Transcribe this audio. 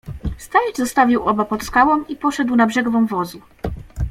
Staś zostawił oba pod skałą i poszedł nad brzeg wąwozu.